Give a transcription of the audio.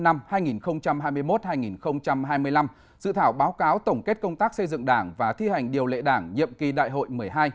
dự thảo báo cáo tổng kết công tác xây dựng đảng và thi hành điều lệ đảng nhiệm kỳ đại hội một mươi hai